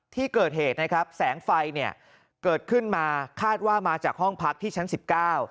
ที่เกิดเหตุนะครับแสงไฟเนี่ยเกิดขึ้นมาคาดว่ามาจากห้องพักที่ชั้นสิบเก้า